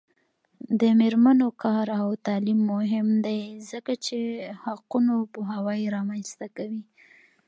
د میرمنو کار او تعلیم مهم دی ځکه چې حقونو پوهاوی رامنځته کوي.